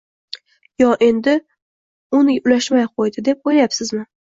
Yo endi un ulashmay qoʻydi deb oʻylayapsizmi?